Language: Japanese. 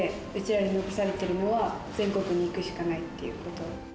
らに残されてるのは全国に行くしかないっていうこと。